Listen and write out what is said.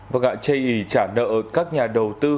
vâng ạ jay e trả nợ các nhà đầu tư